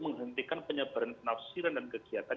menghentikan penyebaran penafsiran dan kegiatan